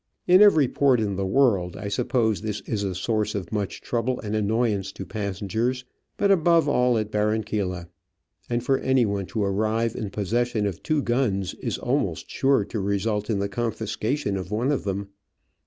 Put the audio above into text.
In every port in the world I suppose this is a source of much trouble and annoyance to passengers, but above all at Barranquilla ; and for anyone to arrive in possession of two guns is almost sure to result in the confiscation of one of them.